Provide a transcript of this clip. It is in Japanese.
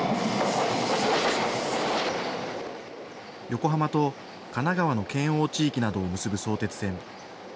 横浜と神奈川の県央地域などを結ぶ相鉄線。